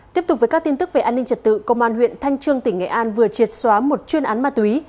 tiếp tục với các tin tức về an ninh trật tự công an huyện thanh trương tỉnh nghệ an vừa triệt xóa một chuyên án ma túy